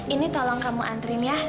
ini tolong kamu antri ya